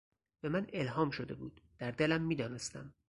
به من الهام شده بود، در دلم میدانستم.